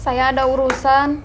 saya ada urusan